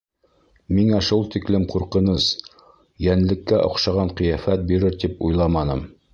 Миңә шул тиклем ҡурҡыныс, йәнлеккә оҡшаған ҡиәфәт бирер тип уйламаным.